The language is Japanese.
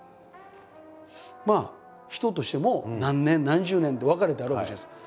まあ人としても何年何十年って別れってあるわけじゃないですか。